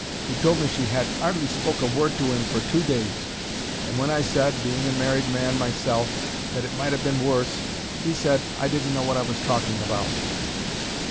He told me she had 'ardly spoke a word to 'im for two days, and when I said—being a married man myself— that it might ha' been worse, 'e said I didn't know wot I was talking about.